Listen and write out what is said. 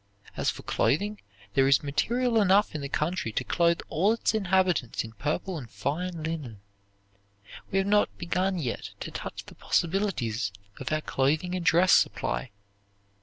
As for clothing, there is material enough in the country to clothe all its inhabitants in purple and fine linen. We have not begun yet to touch the possibilities of our clothing and dress supply.